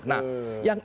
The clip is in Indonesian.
nah yang ini memang